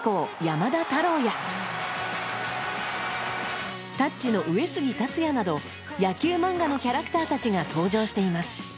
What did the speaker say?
山田太郎や「タッチ」の上杉達也など野球漫画のキャラクターたちが登場しています。